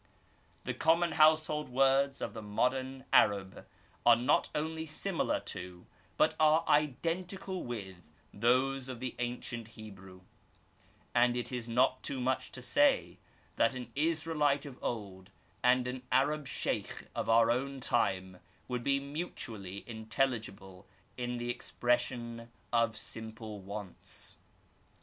The com^ mon household words of the modem Arab are not only similar to but are identical with those of the ancient Hebrew; and it is not too much to say, that an Israelite of old and an Arab Sheykh of our own time would be mutually intelligible in the expression of simple wants.